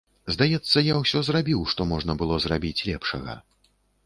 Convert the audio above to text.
Здаецца, я ўсё зрабіў, што можна было зрабіць лепшага.